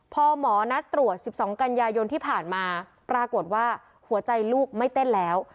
พอหมอนัดตรวจ๑๒กันยายนที่ผ่านมาปรากฏว่าหัวใจลูกไม่เต้นแล้ว